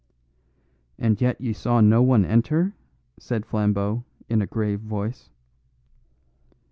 "And yet you saw no one enter?" said Flambeau in a grave voice.